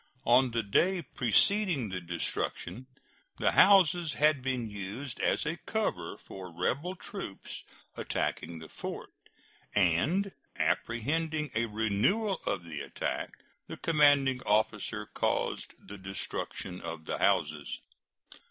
On the day preceding the destruction the houses had been used as a cover for rebel troops attacking the fort, and, apprehending a renewal of the attack, the commanding officer caused the destruction of the houses.